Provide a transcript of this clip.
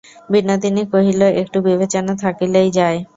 বিনোদিনী কহিল, একটু বিবেচনা থাকিলেই যায়।